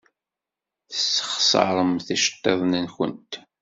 Tessexṣaremt iceḍḍiḍen-nwent.